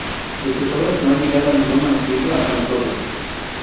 De sus obras, no ha llegado ningún manuscrito hasta nosotros.